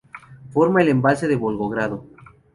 Forma el embalse de Volgogrado.